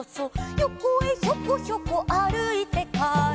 「よこへひょこひょこあるいてから」